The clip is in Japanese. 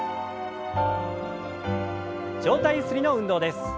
上体ゆすりの運動です。